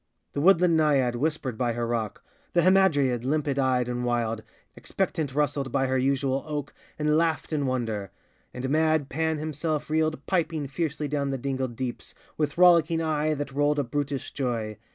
The woodland Naiad whispered by her rock; The Hamadryad, limpid eyed and wild, Expectant rustled by her usual oak And laughed in wonder; and mad Pan himself Reeled piping fiercely down the dingled deeps, With rollicking eye that rolled a brutish joy.